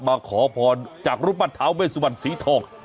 มาขอพรจากรุปัตรท้าเวสวันสีทอง